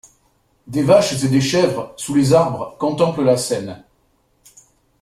Des vaches et des chèvres sous les arbres contemplent la scène.